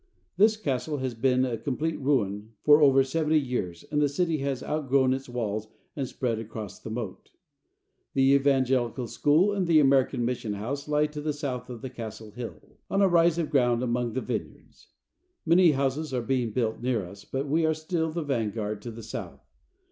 This castle has been a complete ruin for over seventy years and the city has outgrown its walls and spread across the moat. The Evangelical School and the American mission house lie to the south of the castle hill, on a rise of ground among the vineyards. Many houses are being built near us, but we are still the vanguard to the south.